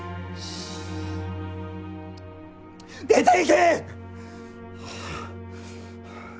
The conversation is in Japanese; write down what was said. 出ていけ！